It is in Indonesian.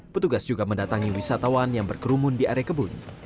petugas juga mendatangi wisatawan yang berkerumun di area kebun